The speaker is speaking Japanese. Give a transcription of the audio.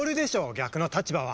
逆の立場は。